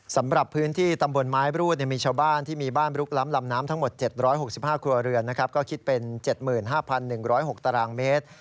สำหรับพื้นที่ตำบลไม้รูดมีชาวบ้านที่มีบ้านลุกล้ำลำน้ำทั้งหมด๗๖๕ครัวเรือนก็คิดเป็น๗๕๑๐๖ตารางเมตร